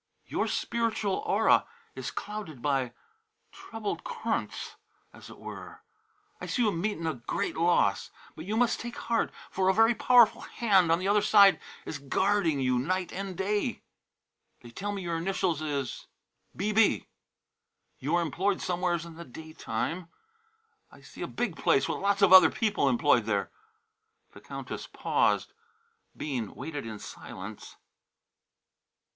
"Your spiritual aura is clouded by troubled curnts, as it were. I see you meetin' a great loss, but you mus' take heart, for a very powerful hand on the other side is guardin' you night an' day. They tell me your initials is 'B.B.' You are employed somewheres in the daytime. I see a big place with lots of other people employed there " The Countess paused. Bean waited in silence.